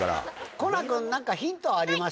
コナン君何かヒントありますか？